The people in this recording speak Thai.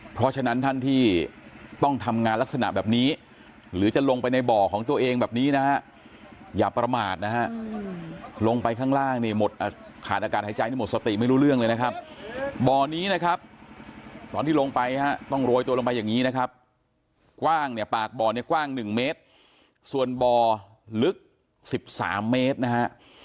เพราะฉะนั้นท่านที่ต้องทำงานลักษณะแบบนี้หรือจะลงไปในบ่อของตัวเองแบบนี้นะฮะอย่าประมาทนะฮะลงไปข้างล่างเนี่ยหมดขาดอากาศหายใจนี่หมดสติไม่รู้เรื่องเลยนะครับบ่อนี้นะครับตอนที่ลงไปฮะต้องโรยตัวลงไปอย่างนี้นะครับกว้างเนี่ยปากบ่อเนี่ยกว้าง๑เมตรส่วนบ่อลึก๑๓เมตรนะฮะ